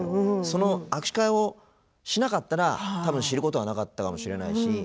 その握手会をしなかったら多分、知ることがなかったかもしれないし。